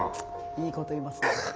いいこと言いますね。